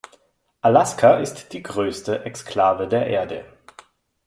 Alaska ist die größte Exklave der Erde.